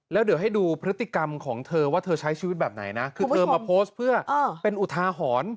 แล้วเดี๋ยวให้ดูพฤติกรรมของเธอว่าเธอใช้ชีวิตแบบไหนนะคือเธอมาโพสต์เพื่อเป็นอุทาหรณ์